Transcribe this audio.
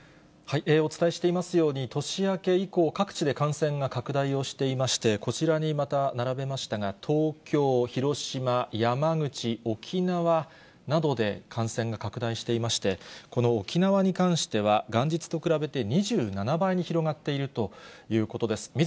お伝えしていますように、年明け以降、各地で感染が拡大をしていまして、こちらにまた並べましたが、東京、広島、山口、沖縄などで感染が拡大していまして、この沖縄に関しては、元日と比べて２７倍に広がっているということです。